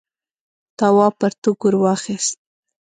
تواب پرتوگ ور واخیست.